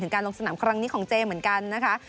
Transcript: การลงสนามครั้งนี้ของเจเหมือนกันนะคะ